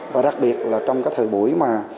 và đặc biệt là trong cái thời buổi mà